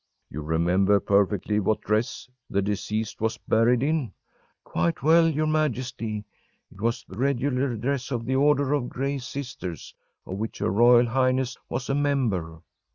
‚ÄĚ “You remember perfectly what dress the deceased was buried in?‚ÄĚ “Quite well, your Majesty. It was the regular dress of the Order of Gray Sisters, of which her royal highness was a member.